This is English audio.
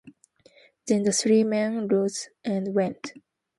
Then the three men rose and went.